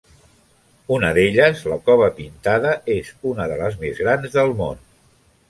Una d'elles, la Cova Pintada, és una de les més grans del món.